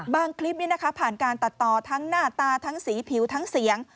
คลิปนี้นะคะผ่านการตัดต่อทั้งหน้าตาทั้งสีผิวทั้งเสียง